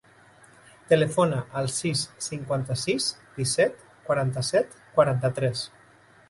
Telefona al sis, cinquanta-sis, disset, quaranta-set, quaranta-tres.